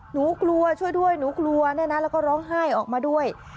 หนูกลัวช่วยด้วยหนูกลัวเนี่ยนะแล้วก็ร้องไห้ออกมาด้วย